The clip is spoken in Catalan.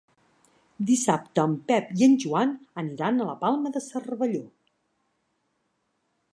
Dissabte en Pep i en Joan aniran a la Palma de Cervelló.